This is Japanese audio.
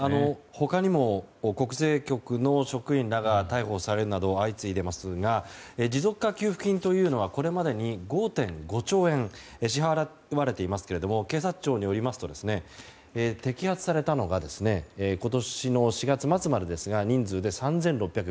他にも国税局の職員らが逮捕されるなど相次いでいますが持続化給付金というのはこれまでに５．５兆円支払われていますが警察庁によりますと摘発されたのが今年４月末までに人数で３６５５人。